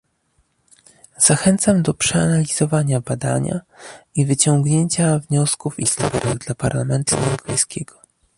Zachęcam do przeanalizowania badania i wyciągnięcia wniosków istotnych dla Parlamentu Europejskiego